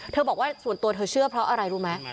บอกว่าส่วนตัวเธอเชื่อเพราะอะไรรู้ไหม